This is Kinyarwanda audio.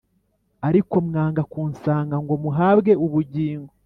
. Ariko mwanga kunsanga ngo muhabwe ubugingo.